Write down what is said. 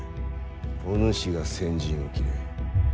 お主が先陣を切れ。